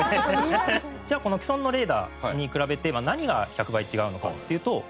じゃあこの既存のレーダーに比べて何が１００倍違うのかっていうとこちら。